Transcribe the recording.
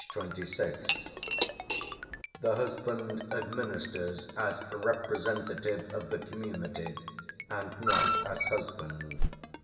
26); the husband administers as "representative of the community, and not as husband.